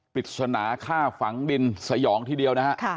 ปริศนาฆ่าฝังดินสยองทีเดียวนะฮะ